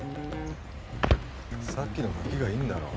さっきのガキがいんだろ